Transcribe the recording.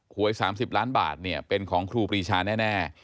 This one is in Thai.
หวย๓๐ล้านบาทเป็นของครูปรีชาแน่